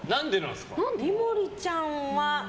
井森ちゃんは。